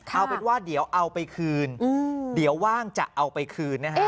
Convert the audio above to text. เอาเป็นว่าเดี๋ยวเอาไปคืนเดี๋ยวว่างจะเอาไปคืนนะฮะ